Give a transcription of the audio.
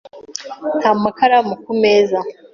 Nta makaramu ku meza .